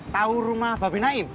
tau rumah bapak benaim